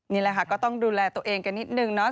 นี่แหละค่ะก็ต้องดูแลตัวเองกันนิดนึงเนาะ